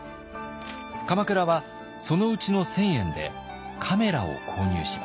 鎌倉はそのうちの１，０００円でカメラを購入します。